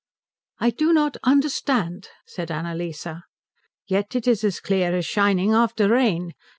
"I do not understand," said Annalise. "Yet it is as clear as shining after rain.